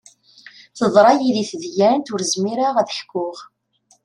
Teḍra yidi tedyant ur zmireɣ ad ḥkuɣ.